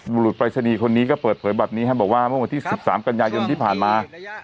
บุรุษปรายศนีย์คนนี้ก็เปิดเผยแบบนี้บอกว่าเมื่อวันที่๑๓กันยายนที่ผ่านมา